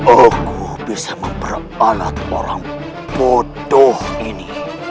oh bisa memperalat orang bodoh ini